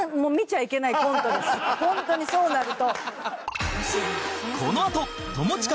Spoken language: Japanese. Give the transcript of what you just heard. ホントにそうなると。